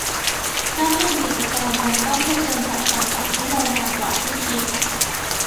ถ้าทำกิจการยังต้องเผชิญกับคำสั่งที่ยาวนานกว่าที่คิด